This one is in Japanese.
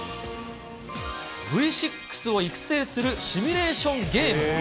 Ｖ６を育成するシミュレーションゲーム。